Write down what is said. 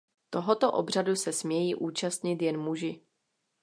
Tohoto obřadu se smějí účastnit jen muži.